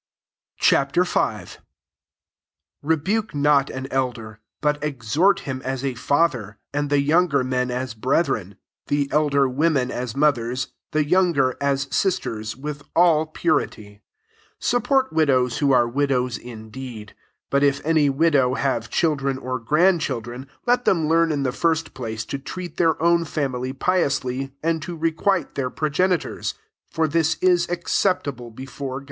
Ch. V. 1 Rebuke not an elder, but exhort him as a fa ther ; and the younger men as brethren: 2 the elder women as mothers ; the younger, as sisters, with all purity. 3 Support widows who are widows indeed. 4 But if any widow have children or grand children, let them learn in the first place to trieat their own family piously, and to requite their progenitors; for this is acceptable before God.